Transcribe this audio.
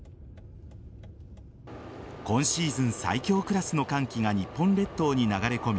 今シーズン最強クラスの寒気が日本列島に流れ込み